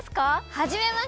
はじめまして！